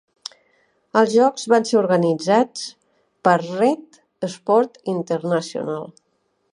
Els jocs van ser organitzats per Red Sport International.